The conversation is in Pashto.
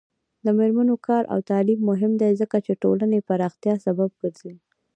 د میرمنو کار او تعلیم مهم دی ځکه چې ټولنې پراختیا سبب ګرځي.